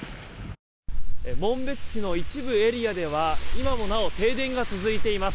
紋別市の一部エリアでは今もなお、停電が続いています。